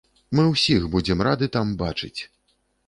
Мы ўсіх будзем рады там бачыць!